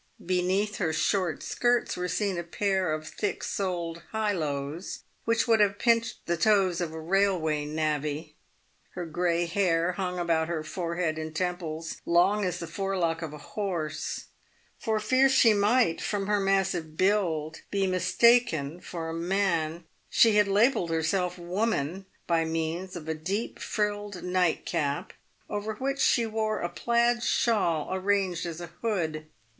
Beneath her short skirts were seen a pair of thick soled highlows which would have pinched the toes of a railway navvy. Her grey hair hung about her forehead and temples long as the forelock of a horse. For fear she might, from her massive build, be mistaken for a man, she had labelled herself " woman" by means of a deep frilled PAVED WITH GOLD. nightcap, over which she wore a plaid shawl arranged as a hood.